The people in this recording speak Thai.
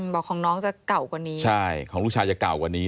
บอกของน้องจะเก่ากว่านี้ใช่ของลูกชายจะเก่ากว่านี้